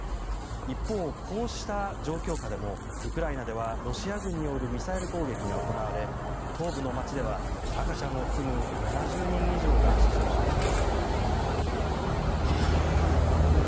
一方、こうした状況下でもウクライナではロシア軍によるミサイル攻撃が行われ東部の街では赤ちゃんを含む７０人以上が死傷しました。